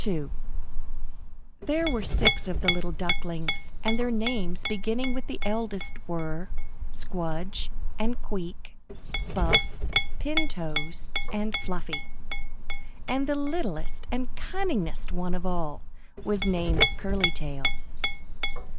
II THERE were six of the little ducklings, and their names, beginning with the eldest were, Squdge and Queek, Buff, Pin Toes and Fluffy, and the littlest and cunningest one of all was named Curly Tail.